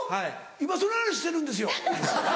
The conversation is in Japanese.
今その話してるんですよ。